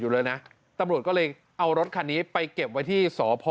อยู่เลยนะตำรวจก็เลยเอารถคันนี้ไปเก็บไว้ที่สพ